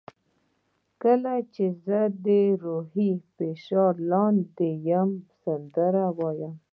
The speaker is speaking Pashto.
کله چې زه تر روحي فشار لاندې یم سندرې وایم.